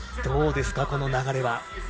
どうですか、この流れは？